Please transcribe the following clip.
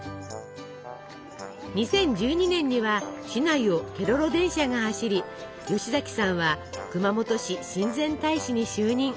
２０１２年には市内をケロロ電車が走り吉崎さんは熊本市親善大使に就任。